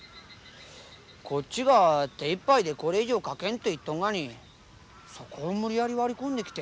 こっちが手いっぱいでこれ以上描けんと言っとんがにそこを無理やり割り込んできて。